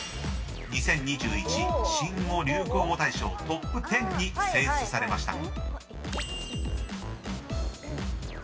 新語・流行語大賞トップ１０に選出されました］